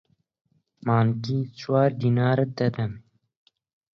مانگی چوار دینارت دەدەمێ.